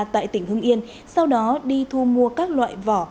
tại tỉnh hưng yên sau đó đi thu mua các loại vỏ